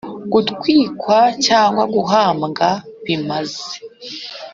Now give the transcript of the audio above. gutwikwa cyangwa guhambwa bimaze